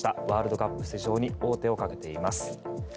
ワールドカップ出場に王手をかけています。